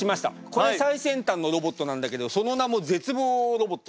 これ最先端のロボットなんだけどその名も「絶望ロボット」。